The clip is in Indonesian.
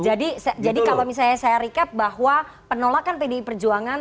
jadi kalau misalnya saya recap bahwa penolakan pdi perjuangan